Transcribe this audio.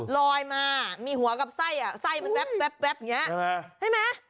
ลอยมามีหัวกับไส้อ่ะไส้มันแว๊บแว๊บแว๊บเงี้ยใช่ไหม